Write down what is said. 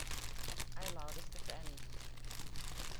I loudest of any.